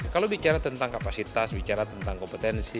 kalau bicara tentang kapasitas bicara tentang kompetensi